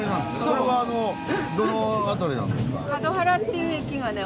それはどの辺りなんですか？